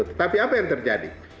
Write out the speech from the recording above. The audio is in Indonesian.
tetapi apa yang terjadi